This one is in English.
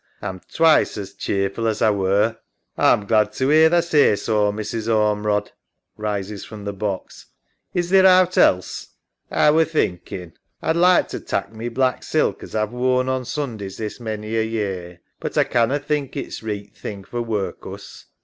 A'm twice as cheer ful as A were. EMMA. A'm glad to 'ear tha say so, Mrs. Ormerod. {Rises from the box) Is theer owt else.? SARAH. A were thinking A'd like lo tak' my black silk as A've worn o' Sundays this many a year, but A canna think its reeght thing for workus.